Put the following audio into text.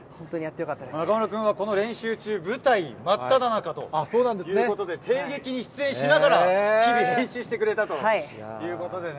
中村君はこの練習中、舞台真っただ中ということで、帝劇に出演しながら、日々、練習してくれたということでね。